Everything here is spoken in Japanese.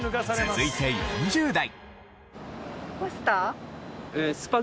続いて５０代。